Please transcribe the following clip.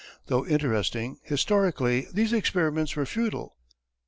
Though interesting historically these experiments were futile.